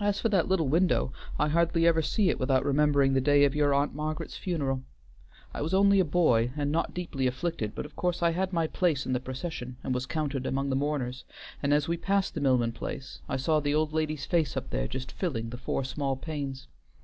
As for that little window, I hardly ever see it without remembering the day of your aunt Margaret's funeral. I was only a boy and not deeply afflicted, but of course I had my place in the procession and was counted among the mourners, and as we passed the Milman place I saw the old lady's face up there just filling the four small panes.